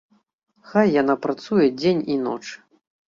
Хай яна працуе дзень і ноч.